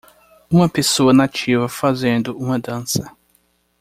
Uma pessoa nativa fazendo uma dança.